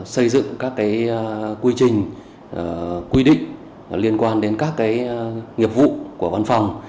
xây dựng các quy trình quy định liên quan đến các nghiệp vụ của văn phòng